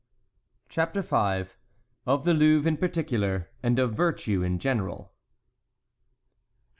CHAPTER V. OF THE LOUVRE IN PARTICULAR, AND OF VIRTUE IN GENERAL.